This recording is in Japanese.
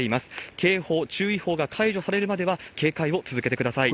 警報、注意報が解除されるまでは警戒を続けてください。